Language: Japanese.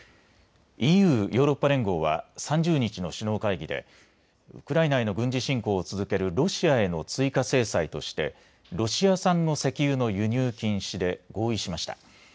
ＥＵ・ヨーロッパ連合は３０日の首脳会議でウクライナへの軍事侵攻を続けるロシアへの追加制裁としてロシア産の石油の輸入禁止で合意しました。